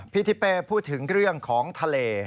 พี่ทิเป้พูดถึงเรื่องของทะเล